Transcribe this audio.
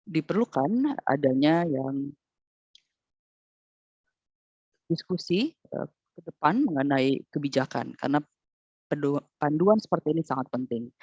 diskusi ke depan mengenai kebijakan karena panduan seperti ini sangat penting